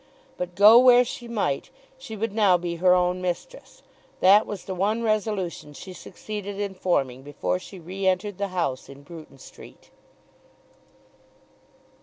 But go where she might, she would now be her own mistress. That was the one resolution she succeeded in forming before she re entered the house in Bruton Street.